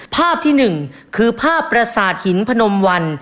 ภาพที่๑คือภาพประสาทหินพนมวัน